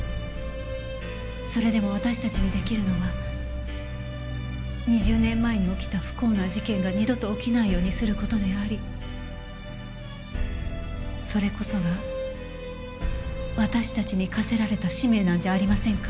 それでも私たちに出来るのは２０年前に起きた不幸な事件が二度と起きないようにする事でありそれこそが私たちに課せられた使命なんじゃありませんか？